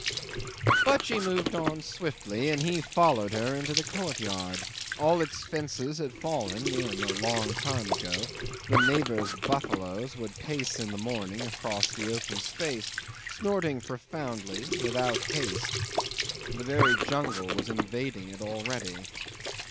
'But she moved on swiftly, and he followed her into the courtyard. All its fences had fallen in a long time ago; the neighbours' buffaloes would pace in the morning across the open space, snorting profoundly, without haste; the very jungle was invading it already.